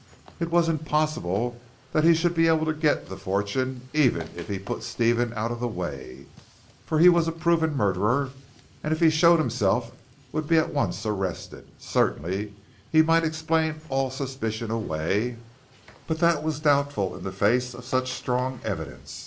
It was impossible that he should be able to get the fortune even if he put Stephen out of the way, for he was a proven murderer, and if he showed himself would be at once arrested. Certainly he might explain all suspicions away, but that was doubtful in the face of such strong evidence.